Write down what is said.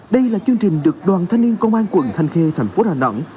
đây là chương trình được đoàn thanh niên công an quận thanh khê tp hà nẵng